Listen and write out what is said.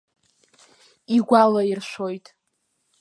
Игәалаиршәоит.